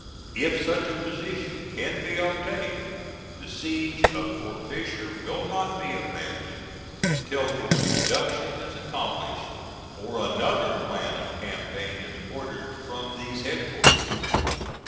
If such a position can be obtained, the siege of Fort Fisher will not be abandoned until its reduction is accomplished, or another plan of campaign is ordered from these headquarters.